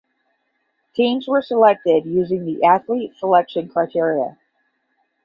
Teams were selected using the Athlete Selection criteria.